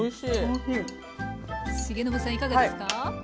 いかがですか？